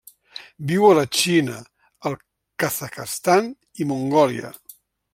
Viu a la Xina, el Kazakhstan i Mongòlia.